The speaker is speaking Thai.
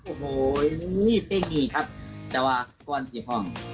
โอ้โหนี่เป้งมีครับจะวาดก้อนสีของ